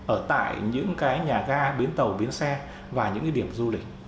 ở tại những cái nhà ga biến tàu biến xe và những cái điểm du lịch